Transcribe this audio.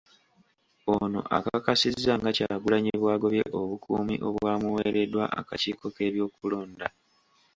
Ono akakasizza nga Kyagulanyi bw'agobye obukuumi obwamuweereddwa akakiiko k'ebyokulonda.